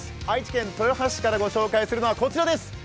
愛知県豊橋市から御紹介するのはこちらです。